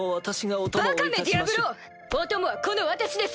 お供はこの私です！